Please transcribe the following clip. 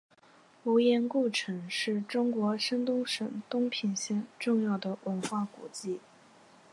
无盐故城是中国山东省东平县重要的文化古迹。